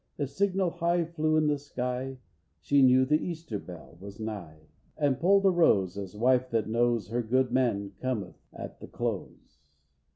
If signal high flew in the sky, She knew the Easter Bell was nigh, And pulled a rose, as wife that knows Her good man cometh at the close.